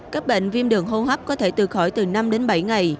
các bệnh viêm đường hôn hấp có thể từ khỏi từ năm bảy ngày